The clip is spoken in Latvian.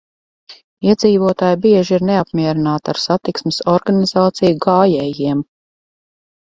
Iedzīvotāji bieži ir neapmierināti ar satiksmes organizāciju gājējiem.